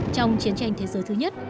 trong chiến tranh thế giới thứ nhất